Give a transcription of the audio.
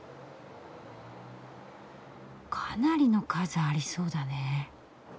かなりの数ありそうだね。